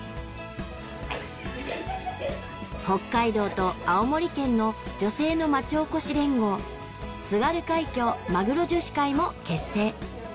北海道と青森県の女性の町おこし連合「津軽海峡マグロ女子会」も結成。